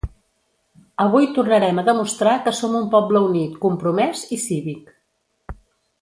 Avui tornarem a demostrar que som un poble unit, compromès i cívic.